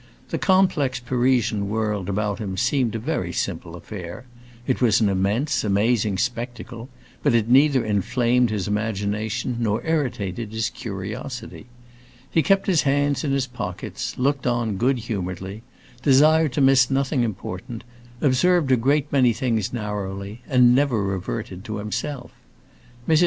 The complex Parisian world about him seemed a very simple affair; it was an immense, amazing spectacle, but it neither inflamed his imagination nor irritated his curiosity. He kept his hands in his pockets, looked on good humoredly, desired to miss nothing important, observed a great many things narrowly, and never reverted to himself. Mrs.